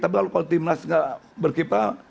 tapi kalau timnas gak berkipa